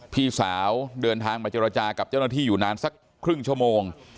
พี่สาวเดินทางมาเจรจากับเจ้าหน้าที่อยู่นานสักครึ่งชั่วโมง